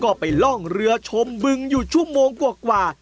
ก็ไปล่องเรือชมบึงอยู่ชั่วโมงกว่า